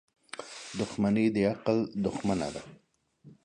• دښمني د عقل دښمنه ده.